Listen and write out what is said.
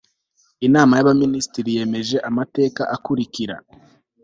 inama y'abaminisitiri yemeje amateka akurikira